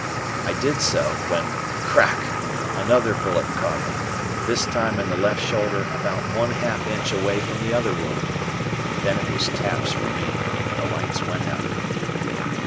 I did so, when, "crack," another bullet caught me, this time in the left shoulder about one half inch away from the other wound. Then it was taps for me. The lights went out.